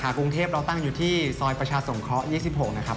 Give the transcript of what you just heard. สหาคุณเทพฯตั้งอยู่ที่สอยประชาสมเคราะห์๒๖นะครับ